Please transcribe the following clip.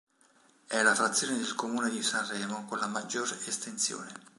È la frazione del Comune di Sanremo con la maggior estensione.